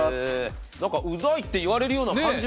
なんかうざいって言われるような感じもない。